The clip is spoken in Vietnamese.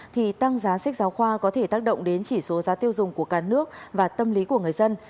thì tăng giá sách giáo khoa có thể tác động đến chỉ số giá tiêu dùng của cả nước và tâm lý của người dân